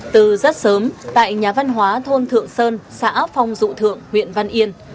từ rất sớm tại nhà văn hóa thôn thượng sơn xã phong dụ thượng huyện văn yên